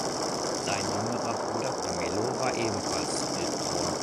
Sein jüngerer Bruder Camillo war ebenfalls Bildhauer.